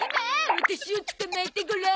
ワタシを捕まえてごらん。